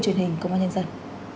truyền hình công an nhân dân